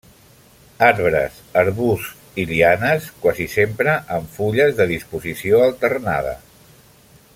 Arbres arbusts i lianes quasi sempre amb fulles de disposició alternada.